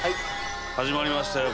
始まりましたよ